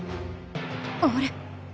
あれ！？